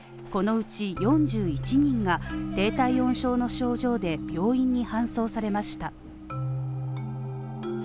このうち４１人が低体温症の症状で病院に搬送されました。